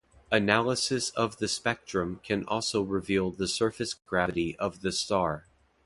Analysis of the spectrum can also reveal the surface gravity of the star.